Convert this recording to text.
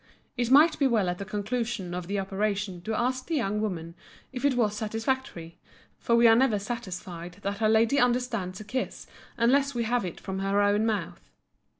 It might be well at the conclusion of the operation to ask the young woman if it was satisfactory, for we are never satisfied that a lady understands a kiss unless we have it from her own mouth.